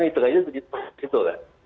itu saja begitu